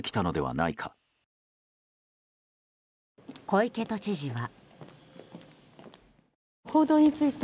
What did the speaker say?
小池都知事は。